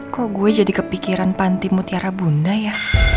kok gue jadi kepikiran panti mutiara bunda ya